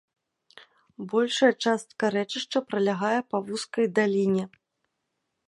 Большая частка рэчышча пралягае па вузкай даліне.